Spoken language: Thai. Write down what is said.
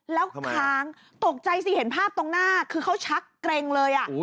แล้วค้างตกใจสิเห็นภาพตรงหน้าคือเขาชักเกร็งเลย